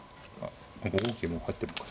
５五桂も入ってるのか。